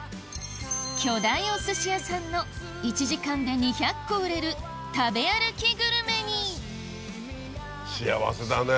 巨大お寿司屋さんの１時間で２００個売れる食べ歩きグルメに幸せだね。